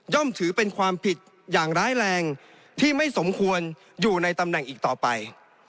ถือเป็นความผิดอย่างร้ายแรงที่ไม่สมควรอยู่ในตำแหน่งอีกต่อไป